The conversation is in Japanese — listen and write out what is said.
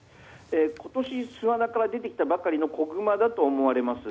今年巣穴から出てきたばかりの子グマだと思われます。